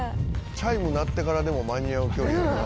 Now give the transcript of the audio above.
「チャイム鳴ってからでも間に合う距離やなあ」